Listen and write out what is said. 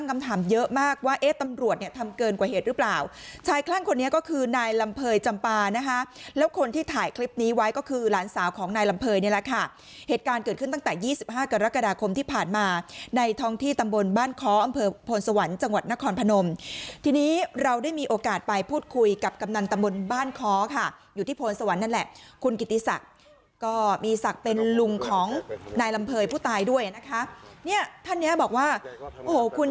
มาที่อาจจะยืมมาละค่ะแล้วคนที่ถ่ายคลิปนี้ไว้ก็คือหลานสาวของนายลำเภยเนี่ยครับเหตุการณ์เกิดขึ้นตั้งแต่๒๕กรกฎาคมที่ผ่านมาในทองที่ตำบลบ้านเค้าอำเภอโผลสวรรค์จังหวัดนครพนมที่นี้เราได้มีโอกาสไปพูดคุยกับกับนันตำบลบ้านเค้าค่ะอยู่ที่โผลสวรรค์นั่นแหละคุณกิตตีศักดิ์อาก